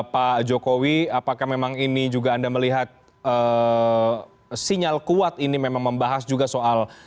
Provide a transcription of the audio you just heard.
pak jokowi apakah memang ini juga anda melihat sinyal kuat ini memang membahas juga soal